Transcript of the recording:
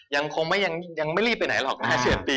ยังไม่รีบไปไหนหรอกนะ